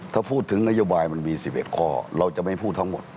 ถ้าพูดถึงนโยบายมันมี๑๑ข้อเราจะไม่พูดทั้งหมด